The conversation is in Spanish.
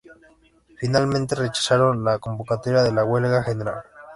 Finalmente rechazaron la convocatoria de la huelga general.